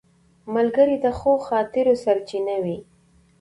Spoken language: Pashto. ملګری د ښو خاطرو سرچینه وي